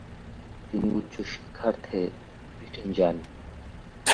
তিনি উচ্চশিক্ষার্থে ব্রিটেন যান।